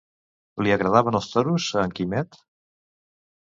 Li agradaven els toros a en Quimet?